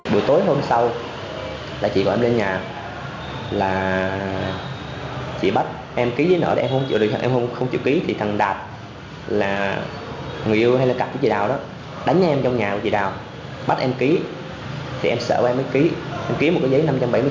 buổi tối hôm sau là chị gọi em lên nhà là chị bắt em ký giấy nợ em không chịu được em không chịu ký